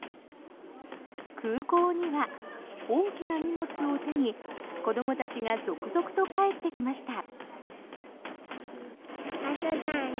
空港には大きな荷物を手に子どもたちが続々と帰ってきました。